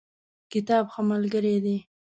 کتاب ښه ملګری دی